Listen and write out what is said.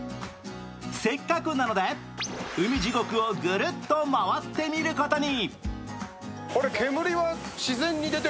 せっかくなので、海地獄をグルッと回ってみることに。